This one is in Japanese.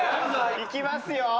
いきますよ。